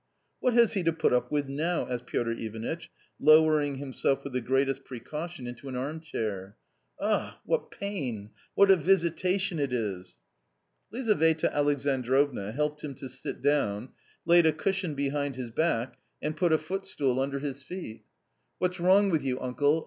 " What has he to put up with now ?" asked Piotr Ivanitch, lowering himself with the greatest precaution into an arm chair. " Ugh ! what pain ! what a visitation it is !" Lizaveta Alexandrovna helped him to sit down, laid a cushion behind his back, and put a foot stool under his feet. A COMMON STORY 229 " What's wrong with you, uncle